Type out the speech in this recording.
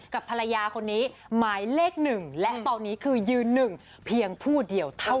กับภรรยาคนนี้หมายเลขหนึ่งและตอนนี้คือยืนหนึ่งเพียงผู้เดียวเท่านั้น